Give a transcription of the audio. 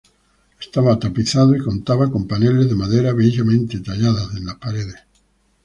Estaba tapizado y contaba con paneles de madera bellamente tallada en las paredes.